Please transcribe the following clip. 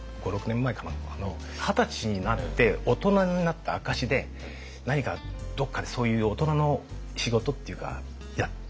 二十歳になって大人になった証しで何かどっかでそういう大人の仕事っていうかやらないか？